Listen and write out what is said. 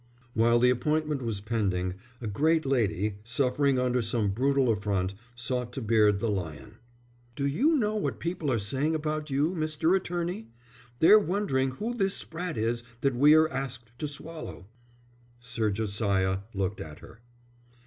While the appointment was pending, a great lady, suffering under some brutal affront, sought to beard the lion. "Do you know what people are saying about you, Mr. Attorney? They're wondering who this sprat is that we are asked to swallow." Sir Josiah looked at her.